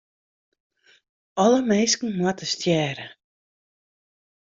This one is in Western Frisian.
Alle minsken moatte stjerre.